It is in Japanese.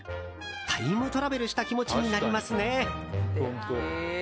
タイムトラベルした気持ちになりますね。